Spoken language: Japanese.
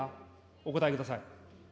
お答えください。